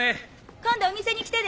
今度お店に来てね。